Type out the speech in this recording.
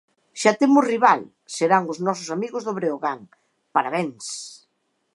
Xa temos rival, serán os nosos amigos do Breogán. Parabéns!